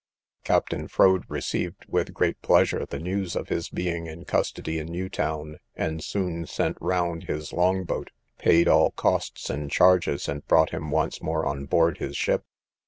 Captain Froade received with great pleasure the news of his being in custody in New Town, and soon sent round his long boat, paid all costs and charges, and brought him once more on board his ship.